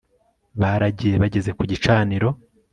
baragiye bageze ku gicaniro